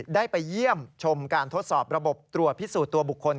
ได้ไปเยี่ยมชมการทดสอบระบบตรวจพิสูจน์ตัวบุคคล